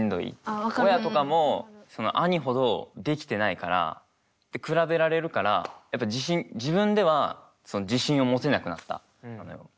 親とかも兄ほどできてないから比べられるからやっぱ自信自分では自信を持てなくなった。